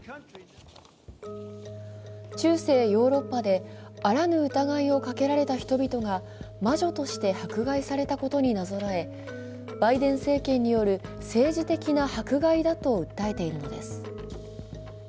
中世ヨーロッパであらぬ疑いをかけられた人々が魔女として迫害されたことになぞらえバイデン政権による政治的な迫害だと訴えているのです。